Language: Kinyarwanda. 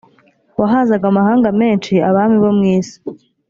wahazaga amahanga menshi abami bo mu isi